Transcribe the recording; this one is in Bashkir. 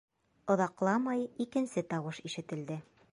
Оҙаҡламай икенсе тауыш ишетелде.